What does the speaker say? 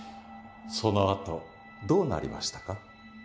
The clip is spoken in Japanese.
そのあとどうなりましたか？